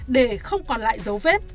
để không còn lại giấu vết